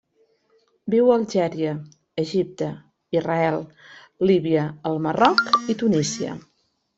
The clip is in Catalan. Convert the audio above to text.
Viu a Algèria, Egipte, Israel, Líbia, el Marroc i Tunísia.